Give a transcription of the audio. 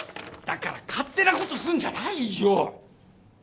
だから勝手なことすんじゃないよ！